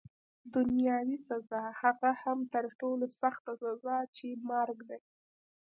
دنیاوي سزا، هغه هم تر ټولو سخته سزا چي مرګ دی.